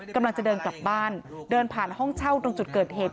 กำลังจะเดินกลับบ้านเดินผ่านห้องเช่าตรงจุดเกิดเหตุ